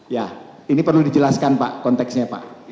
ya ini perlu dijelaskan pak konteksnya pak